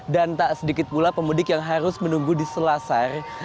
dan tak sedikit pula pemudik yang harus menunggu di selasar